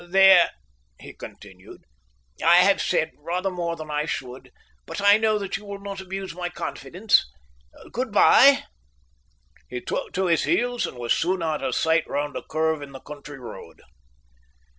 "There," he continued, "I have said rather more than I should, but I know that you will not abuse my confidence. Good bye!" He took to his heels and was soon out of sight round a curve in the country road.